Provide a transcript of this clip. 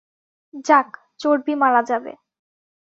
যাক, চর্বি মারা যাবে।